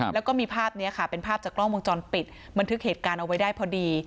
แล้วก็มีภาพนี้ค่ะเป็นภาพจากกล้องวงจรปิดบันทึกเหตุการณ์เอาไว้ได้พอดี